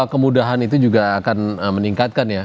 kemudahan itu juga akan meningkatkan ya